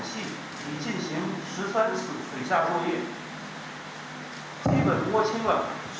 sehingga keberadaan kri riga empat ratus dua ini dilakukan sepuluh kali